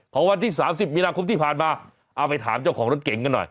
วันที่๓๐มีนาคมที่ผ่านมาเอาไปถามเจ้าของรถเก๋งกันหน่อย